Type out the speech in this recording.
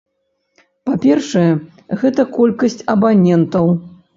Па-першае, гэта колькасць абанентаў.